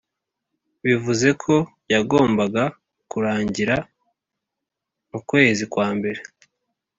bivuze ko yagombaga kurangira mu kwezi kwambere